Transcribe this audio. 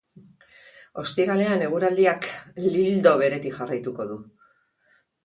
Ostiralean eguraldiak ildo beretik jarraituko du.